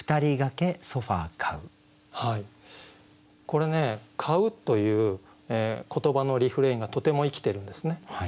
これね「買ふ」という言葉のリフレインがとても生きてるんですね。